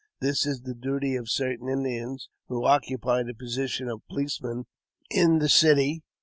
This is the duty of certain Indians, who occupy the position of policemen in a city.